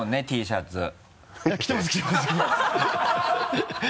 Ｔシャツが。